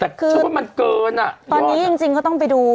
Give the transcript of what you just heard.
แต่เชื่อว่ามันเกินยอดค่ะคือตอนนี้จริงก็ต้องไปดู